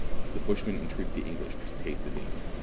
The bushman entreated the English to taste the dainty.